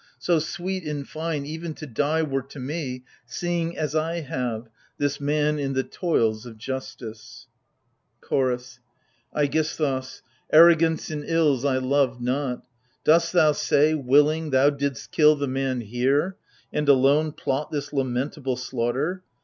So, sweet, in fine, even to die were to me, Seeing, as I have, this man i' the toils of justice ! CHOROS. Aigisthos, arrogance in ills I love not. Dost thou say — willing, thou didst kill the man here, And, alone, plot this lamentable slaughter